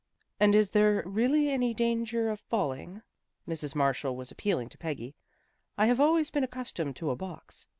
" And is there really any danger of falling? " Mrs. Marshall was appealing to Peggy. u I have always been accustomed to a box.